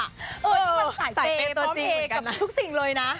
เออที่มันใส่เป็นตัวจริงกับทุกสิ่งเลยนะ